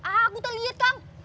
aku tuh liat kang